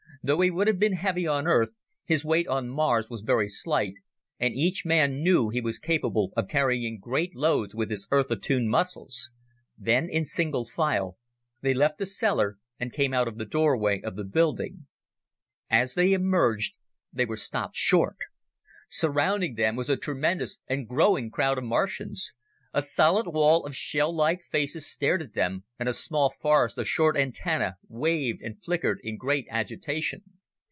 Though he would have been heavy on Earth, his weight on Mars was very slight, and each man knew he was capable of carrying great loads with his Earth attuned muscles. Then, in single file, they left the cellar and came out of the doorway of the building. As they emerged they were stopped short. Surrounding them was a tremendous and growing crowd of Martians. A solid wall of shell like faces stared at them, and a small forest of short antennae waved and flickered in great agitation.